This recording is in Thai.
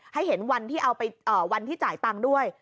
ให้เห็นวันที่จ่ายตังค์ด้วย